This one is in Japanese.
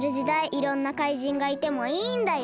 いろんな怪人がいてもいいんだよ。